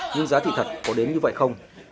nhưng giá thị thật có đến như vậy không